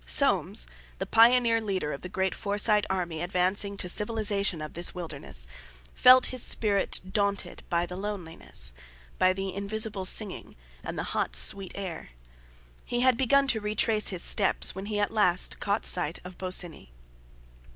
Soames, the pioneer leader of the great Forsyte army advancing to the civilization of this wilderness, felt his spirit daunted by the loneliness, by the invisible singing, and the hot, sweet air. He had begun to retrace his steps when he at last caught sight of Bosinney.